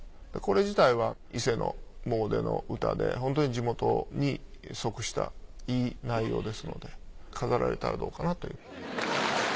これ自体は伊勢の詣での歌でホントに地元に即したいい内容ですので飾られたらどうかなという。